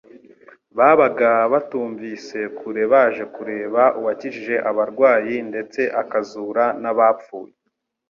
Babaga batumtse kure baje kureba uwakijije abarwayi ndetse akazura n'abapfuye.